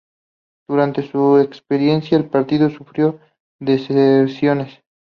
Durante su existencia el partido sufrió deserciones.